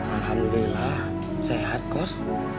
alhamdulillah sehat kos